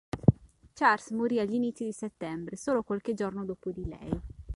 Charles morì agli inizi di settembre, solo qualche giorno dopo di lei.